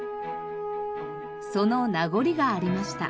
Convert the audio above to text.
その名残がありました。